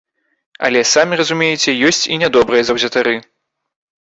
Але самі разумееце, ёсць і нядобрыя заўзятары.